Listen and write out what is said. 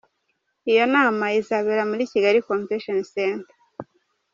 Iyo nama izabera muri Kigali Convention Center.